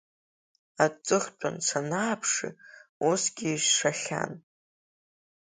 Аҵыхәтәан санааԥшы усгьы ишахьан…